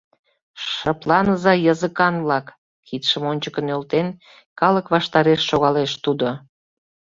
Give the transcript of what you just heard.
— Шыпланыза, языкан-влак! — кидшым ончыко нӧлтен, калык ваштареш шогалеш тудо.